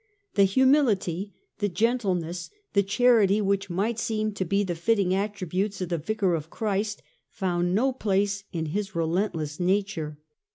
The humility, the gentleness, the charity, which might seem to be the fitting attributes of the Vicar of Christ, found no place in his relentless nature.